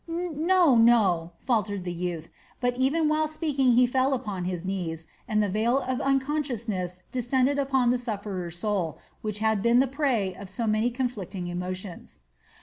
"No, no," faltered the youth, but even while speaking he fell upon his knees and the veil of unconsciousness descended upon the sufferer's soul, which had been the prey of so many conflicting emotions.